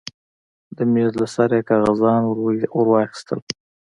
د مېز له سره يې کاغذان ورواخيستل.